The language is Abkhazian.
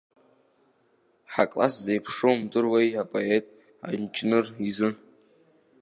Ҳакласс зеиԥшроу умдыруеи апоет, анџьныр изы.